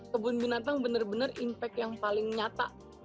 kebun binatang benar benar impact yang paling nyata